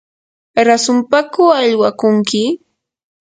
¿rasunpaku aywakunki?